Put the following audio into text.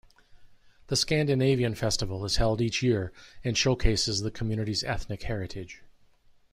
The Scandinavian Festival is held each year and showcases the community's ethnic heritage.